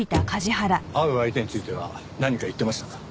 会う相手については何か言ってましたか？